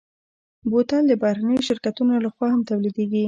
بوتل د بهرنيو شرکتونو لهخوا هم تولیدېږي.